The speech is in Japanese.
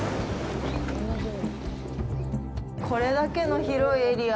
これだけの広いエリア